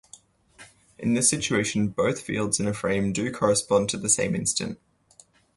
In this situation both fields in a frame do correspond to the same instant.